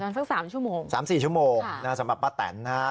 สักสามชั่วโมงสามสี่ชั่วโมงค่ะสำหรับป้าแตนนะฮะ